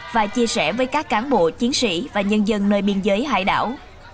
và chia sẻ với các cán bộ chiến sĩ và nhân dân nơi biên giới hải đảo